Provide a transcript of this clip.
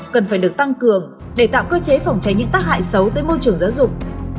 cần phải được tăng cường để tạo cơ chế phòng tránh những tác hại xấu tới môi trường giáo dục